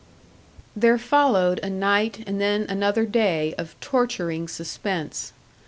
There followed a night and then another day of torturing suspense.